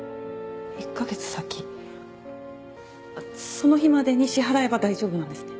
その日までに支払えば大丈夫なんですね？